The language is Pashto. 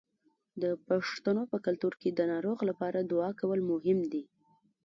د پښتنو په کلتور کې د ناروغ لپاره دعا کول مهم دي.